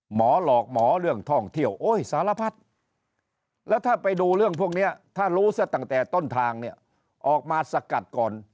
หลอกหมอเรื่องท่องเที่ยวโอ้ยสารพัดแล้วถ้าไปดูเรื่องพวกนี้ถ้ารู้ซะตั้งแต่ต้นทางเนี่ยออกมาสกัดก่อน